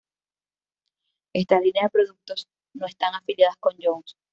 Estas líneas de productos no están afiliadas con Jones.